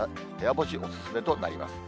干しお勧めとなります。